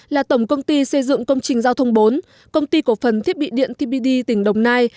là tổng công ty xây dựng công trình giao thông bốn công ty cổ phần thiết bị điện tpd tỉnh đồng nai